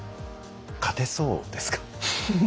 勝てそうですか？